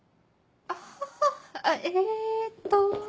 あえっと。